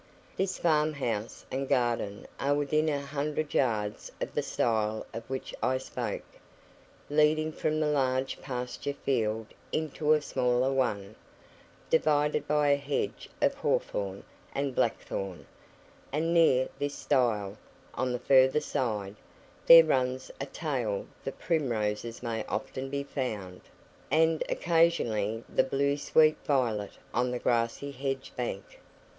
This farm house and garden are within a hundred yards of the stile of which I spoke, leading from the large pasture field into a smaller one, divided by a hedge of hawthorn and black thorn; and near this stile, on the further side, there runs a tale that primroses may often be found, and occasionally the blue sweet violet on the grassy hedge bank.